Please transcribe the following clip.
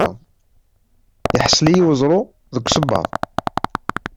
Iḥṣel-iyi uẓru deg usebbaḍ.